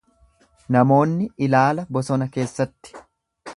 Namoonni ilaala bosona keessatti.